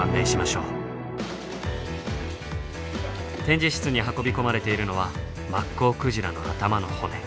展示室に運び込まれているのはマッコウクジラの頭の骨。